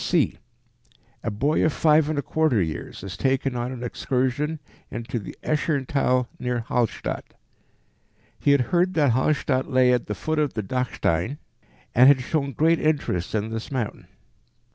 c). A boy of five and a quarter years is taken on an excursion into the Escherntal near Hallstatt. He had heard that Hallstatt lay at the foot of the Dachstein, and had shown great interest in this mountain.